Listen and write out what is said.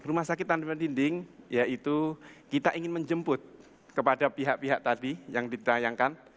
rumah sakit tandungan dinding yaitu kita ingin menjemput kepada pihak pihak tadi yang ditayangkan